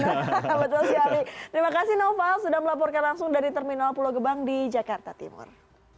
terima kasih noval sudah melaporkan langsung dari terminal pulau gebang di jakarta timur